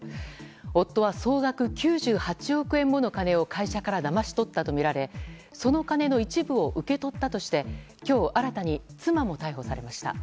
夫は総額９８億円もの金を会社からだまし取ったとみられその金の一部を受け取ったとして今日新たに妻も逮捕されました。